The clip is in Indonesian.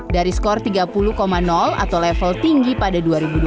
dari skor tiga puluh atau level tinggi pada dua ribu dua puluh